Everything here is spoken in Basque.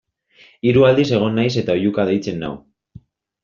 Hiru aldiz egon naiz eta oihuka deitzen nau.